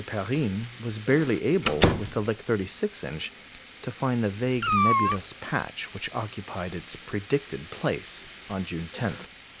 Perrine was barely able, with the Lick 36 inch, to find the vague nebulous patch which occupied its predicted place on June 10, 1899.